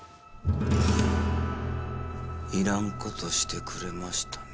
いらんことしてくれましたね。